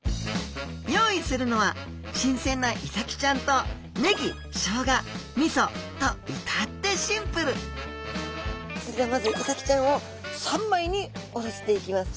用意するのは新鮮なイサキちゃんとネギショウガ味噌といたってシンプルそれではまずイサキちゃんを三枚におろしていきます。